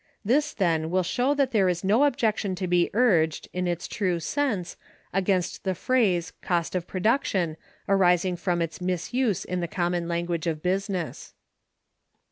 This, then, will show that there is no objection to be urged, in its true sense, against the phrase cost of production, arising from its misuse in the common language of business.